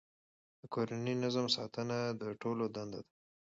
د کورني نظم ساتنه د ټولو دنده ده.